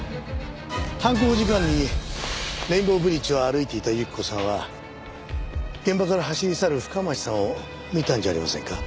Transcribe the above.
犯行時間にレインボーブリッジを歩いていた雪子さんは現場から走り去る深町さんを見たんじゃありませんか？